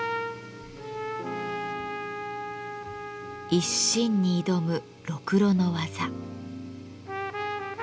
一心に挑むろくろの技。